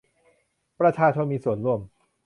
ประชาชนมีส่วนร่วม